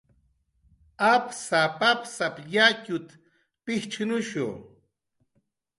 "Apsap"" apsap"" yatxut"" pijchnushu"